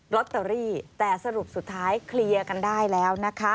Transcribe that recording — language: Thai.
ลอตเตอรี่แต่สรุปสุดท้ายเคลียร์กันได้แล้วนะคะ